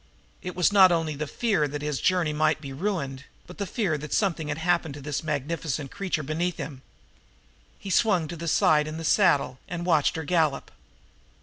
It was not only the fear that his journey might be ruined, but the fear that something had happened to this magnificent creature beneath him. He swung to the side in the saddle and watched her gallop.